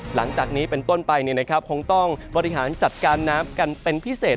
หลังจากนี้เป็นต้นไปคงต้องบริหารจัดการน้ำกันเป็นพิเศษ